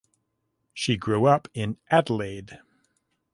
She grew up in Adelaide.